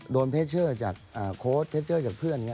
โดนเทเชอร์จากโค้ดเทเชอร์จากเพื่อน